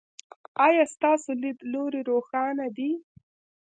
ایا ستاسو لید لوری روښانه دی؟